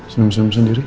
senyum senyum sendiri